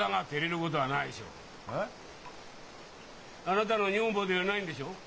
あなたの女房ではないんでしょう？